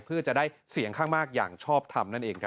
เพื่อจะได้เสียงข้างมากอย่างชอบทำนั่นเองครับ